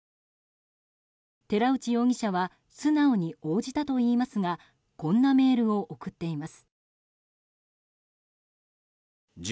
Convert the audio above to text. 寺内容疑者は素直に応じたといいますがこんなメールを送っています。